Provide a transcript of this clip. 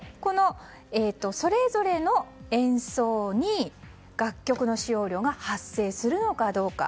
それぞれの演奏に楽曲の使用料が発生するのかどうか。